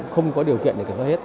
không có điều kiện để kiểm soát hết